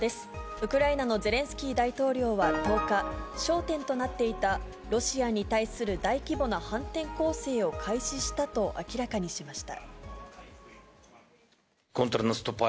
ウクライナのゼレンスキー大統領は１０日、焦点となっていた、ロシアに対する大規模な反転攻勢を開始したと明らかにしました。